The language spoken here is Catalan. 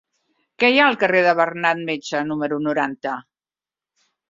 Què hi ha al carrer de Bernat Metge número noranta?